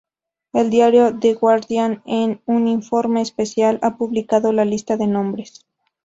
El diario The Guardian en un informe especial ha publicado la lista de nombres.